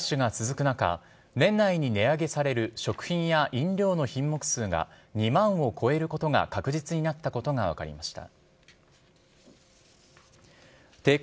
値上げラッシュが続く中、年内に値上げされる食品や飲料の品目数が２万を超えることが確実になったことが分かりました。